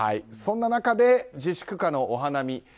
そんな中で自粛下のお花見。